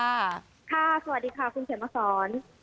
ค่ะสวัสดีค่ะคุณเศษมศร